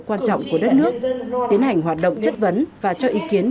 quan trọng của đất nước tiến hành hoạt động chất vấn và cho ý kiến